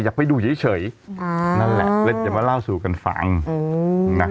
อยากไปดูเฉยเฉยอ๋อนั่นแหละอย่ามาเล่าสู่กันฟังอู๋น่ะ